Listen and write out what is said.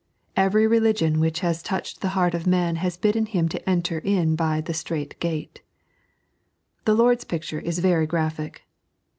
Every religion which has touched the heart of man has bidden him enter in by " the Strait Gate." The Lord's picture is very graphic.